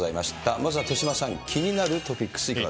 まずは手嶋さん、気になるトピックスいか